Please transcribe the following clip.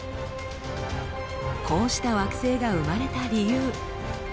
こうした惑星が生まれた理由。